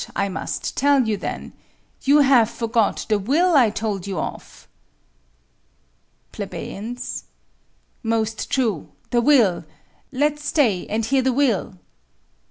I must tell you then. You have forgot the will I told you of. Ple. Most true; the will! let's stay, and hear the will.